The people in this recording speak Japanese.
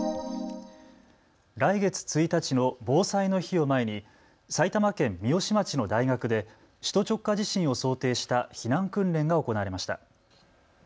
来月１日の防災の日を前に埼玉県三芳町の大学で首都直下地震を想定した避難訓練が行われました。